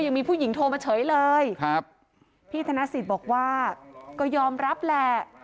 ยังมีผู้หญิงโทรมาเฉยเลยครับพี่ธนสิทธิ์บอกว่าก็ยอมรับแหละ